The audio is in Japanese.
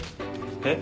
えっ？